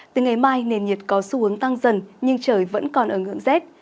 từ ngày mai nền nhiệt có xu hướng tăng dần nhưng trời vẫn còn ở ngưỡng rét